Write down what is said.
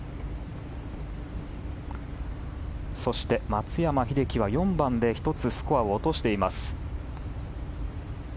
そして、松山英樹は４番で１つスコアを落としています。